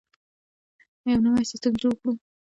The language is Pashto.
یو نوی سیستم جوړ کړو.